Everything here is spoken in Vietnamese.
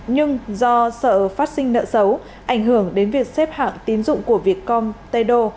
nhưng do sợ phát sinh nợ xấu ảnh hưởng đến việc xếp hạng tín dụng của vietcom tđ